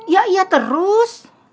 ya iya terus